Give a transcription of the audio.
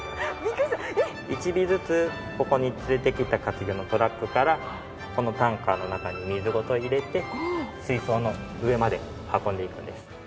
１尾ずつここに連れてきた活魚のトラックからこのタンカの中に水ごと入れて水槽の上まで運んでいくんです。